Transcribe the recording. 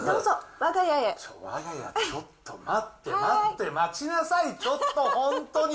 わが家って、ちょっと待って、待って、待ちなさい、ちょっと、本当に。